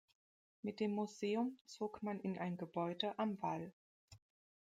Mit dem Museum zog man in ein Gebäude Am Wall.